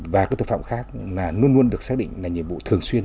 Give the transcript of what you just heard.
và các tội phạm khác luôn luôn được xác định là nhiệm vụ thường xuyên